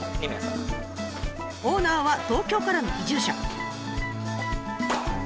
オーナーは東京からの移住者。